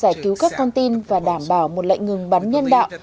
đồng thời dự thảo của algeria có thể đảm bảo một lệnh ngừng bắn nhân đạo